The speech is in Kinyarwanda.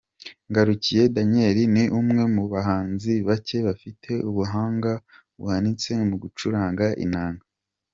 Ngarukiye Daniel ni umwe mu bahanzi bake bafite ubuhanga buhanitse mu gucuranga inanga.